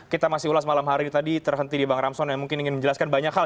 kita masih ulas malam hari tadi terhenti di bang ramson yang mungkin ingin menjelaskan banyak hal